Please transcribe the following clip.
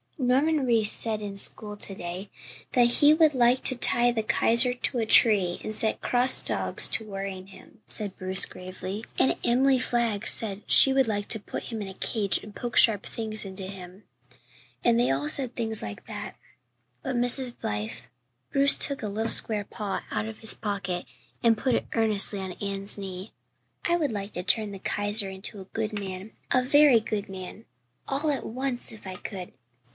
"Norman Reese said in school to day that he would like to tie the Kaiser to a tree and set cross dogs to worrying him," said Bruce gravely. "And Emily Flagg said she would like to put him in a cage and poke sharp things into him. And they all said things like that. But Mrs. Blythe" Bruce took a little square paw out of his pocket and put it earnestly on Anne's knee "I would like to turn the Kaiser into a good man a very good man all at once if I could.